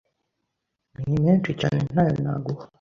ni menshi cyane ntayo naguha